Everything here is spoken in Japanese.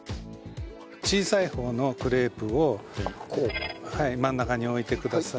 小さい方のクレープを真ん中に置いてください。